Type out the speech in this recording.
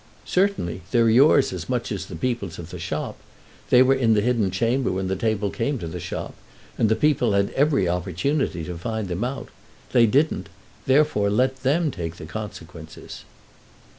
"Certainly. They're yours as much as the people's of the shop. They were in the hidden chamber when the table came to the shop, and the people had every opportunity to find them out. They didn't—therefore let them take the consequences."